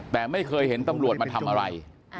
แต่ไม่เคยเห็นตำรวจมาทำอะไร